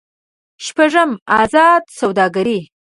شپږم: ازاده سوداګري.